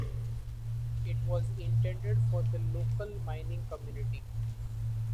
It was intended for the local mining community.